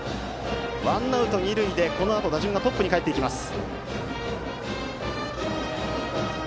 ワンアウト二塁でこのあと打順がトップにかえってきます。